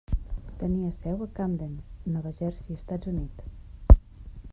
Tenia seu a Camden, Nova Jersey, Estats Units.